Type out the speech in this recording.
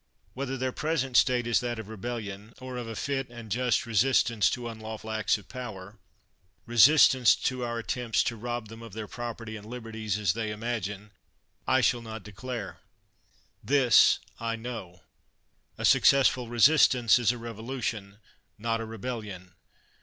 Whether their present state is that of rebellion, or of a fit and just resistance to unlawful acts of power — resistance to our attempts to rob them of their property and liberties, as they imagine — I shall not declare. This I know: a successful resistance is a revolution, not a re bellion!